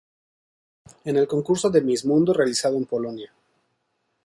En el concurso de Miss Mundo realizado en Polonia.